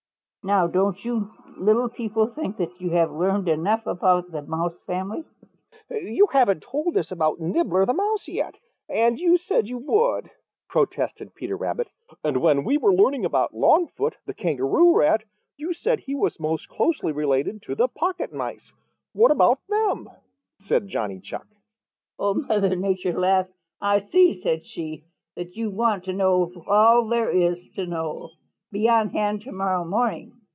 "Now don't you little people think you have learned enough about the Mouse family?" "You haven't told us about Nibbler the House Mouse yet. And you said you would," protested Peter Rabbit. "And when we were learning about Longfoot the Kangaroo Rat you said he was most closely related to the Pocket Mice. What about them?" said Johnny Chuck. Old Mother Nature laughed. "I see," said she, "that you want to know all there is to know. Be on hand to morrow morning.